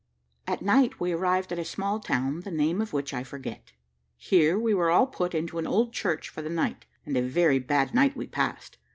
At night we arrived at a small town, the name of which I forget. Here we were all put into an old church for the night, and a very bad night we passed.